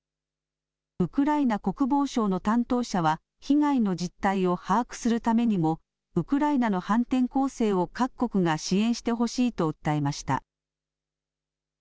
ウクライナ国防省の担当者は被害の実態を把握するためにもウクライナの反転攻勢を各国が支援してほしいと訴えました。